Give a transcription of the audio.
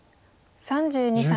３２歳。